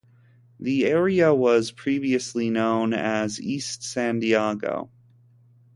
The area was previously known as East San Diego.